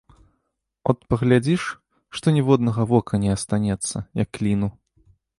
От паглядзіш, што ніводнага вока не астанецца, як ліну.